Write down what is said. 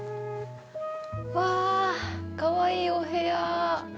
わあ、かわいいお部屋。